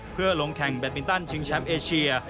เพื่อลงแข่งแบตมินตันชิงแชมป์เอเชีย